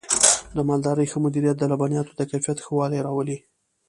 د مالدارۍ ښه مدیریت د لبنیاتو د کیفیت ښه والی راولي.